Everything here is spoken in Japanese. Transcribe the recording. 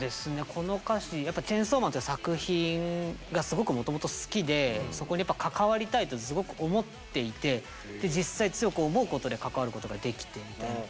この歌詞やっぱ「チェンソーマン」という作品がすごくもともと好きでそこにやっぱ関わりたいとすごく思っていてで実際強く思うことで関わることができてみたいな。